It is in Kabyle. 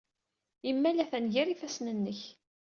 Imal atan gar yifassen-nnek.